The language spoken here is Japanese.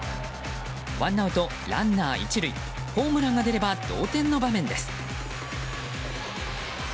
ワンアウトランナー１塁ホームランが出れば同点の場面です。